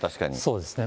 そうですね。